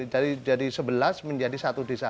dari sebelas menjadi satu desa